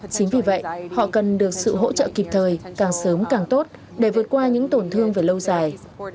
chính vì vậy họ cần được sự hỗ trợ kịp thời càng sớm càng tốt để vượt qua những tổn thương về lâu dài